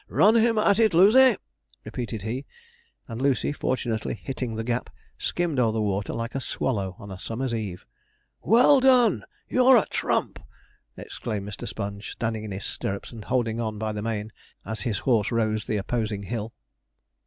'Run him at it, Lucy!' repeated he; and Lucy fortunately hitting the gap, skimmed o'er the water like a swallow on a summer's eve. 'Well done! you're a trump!' exclaimed Mr. Sponge, standing in his stirrups, and holding on by the mane as his horse rose the opposing hill.